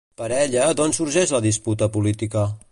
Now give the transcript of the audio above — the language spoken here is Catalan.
Per ella, d'on sorgeix la disputa política?